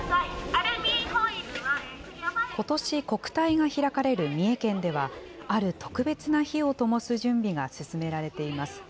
ことし、国体が開かれる三重県では、ある特別な火をともす準備が進められています。